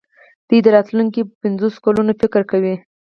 دوی د راتلونکو پنځوسو کلونو فکر کوي.